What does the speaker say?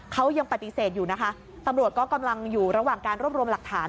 เขายังปฏิเสธอยู่นะคะตำรวจก็กำลังอยู่ระหว่างการรวบรวมหลักฐาน